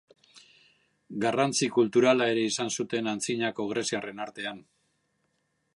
Garrantzi kulturala ere izan zuten antzinako greziarren artean.